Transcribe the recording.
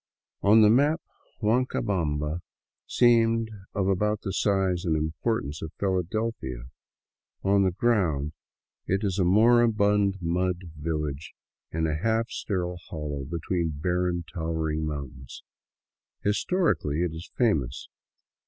On the map Huancabamba seems of about the size and importance of Philadelphia ; on the ground it is a moribund mud village in a half sterile hollow between barren, towering mountains. Historically it is famous.